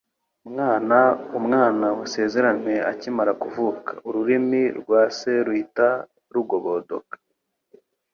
Umwana wasezeranywe akimara kuvuka, ururimi rwa se ruhita rugobodoka.